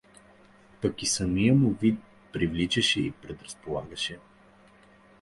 Пък и самият му вид привличаше и предразполагаше.